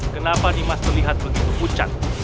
kenapa dimas terlihat begitu pucat